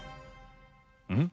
うん？